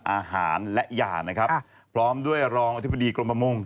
อาหารและยานะครับพร้อมด้วยรองอธิบดีกรมประมง